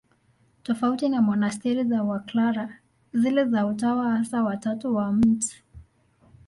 Tofauti na monasteri za Waklara, zile za Utawa Hasa wa Tatu wa Mt.